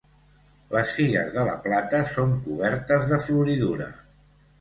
Les figues de la plata són cobertes de floridura.